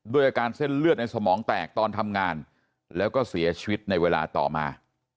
อาการเส้นเลือดในสมองแตกตอนทำงานแล้วก็เสียชีวิตในเวลาต่อมา